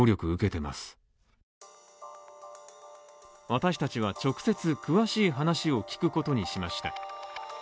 私たちは直接詳しい話を聞くことにしました。